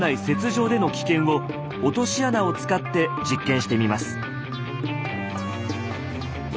雪上での危険を落とし穴を使って実験してみます。